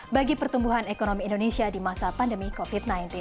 bagi pertumbuhan ekonomi indonesia di masa pandemi covid sembilan belas